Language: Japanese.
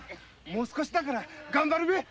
もう少しだから頑張るべぇ。